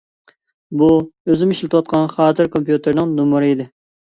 بۇ ئۆزۈم ئىشلىتىۋاتقان خاتىرە كومپيۇتېرنىڭ نومۇرى ئىدى.